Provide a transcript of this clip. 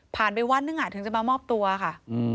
ไปวันหนึ่งถึงจะมามอบตัวค่ะ